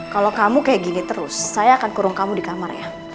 kalau kamu kayak gini terus saya akan kurung kamu di kamar ya